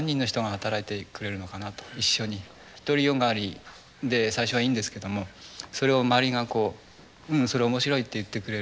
独りよがりで最初はいいんですけどもそれを周りがこう「うんそれ面白い」って言ってくれる。